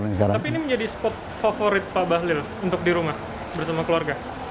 tapi ini menjadi spot favorit pak bahlil untuk di rumah bersama keluarga